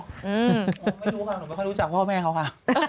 หนูไม่รู้ค่ะหนูไม่ค่อยรู้จักพ่อแม่เขาค่ะ